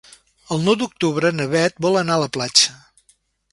El nou d'octubre na Bet vol anar a la platja.